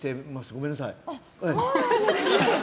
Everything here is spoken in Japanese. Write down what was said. ごめんなさい。